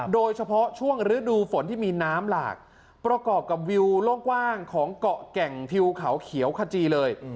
โดยเฉพาะช่วงฤดูฝนที่มีน้ำหลากประกอบกับวิวโล่งกว้างของเกาะแก่งทิวเขาเขียวขจีเลย